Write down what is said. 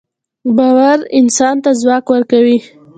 باورانسان ته ځواک ورکوي